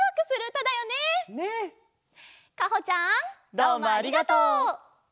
どうもありがとう！